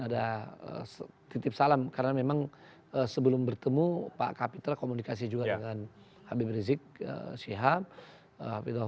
ada titip salam karena memang sebelum bertemu pak kapitra komunikasi juga dengan habib rizik syihab